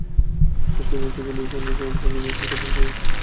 বেশ কিছুদিন থেকেই লুইস এনরিকের সঙ্গে মেসির কথিত বিবাদ নিয়ে অশান্ত ন্যু ক্যাম্প।